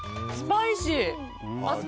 スパイシー！